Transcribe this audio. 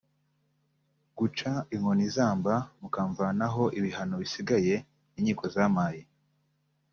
guca inkoni izamba mukamvanaho ibihano bisigaye inkiko zampaye